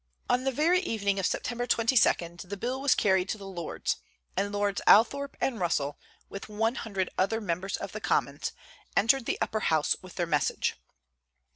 On the very evening of September 22 the bill was carried to the Lords, and Lords Althorp and Russell, with one hundred other members of the Commons, entered the Upper House with their message.